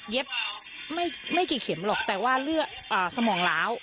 ไม่กี่เข็มหรอกแต่ว่าเลือดสมองล้าว